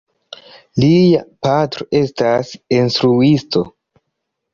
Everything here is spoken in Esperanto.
Lia patro estas instruisto.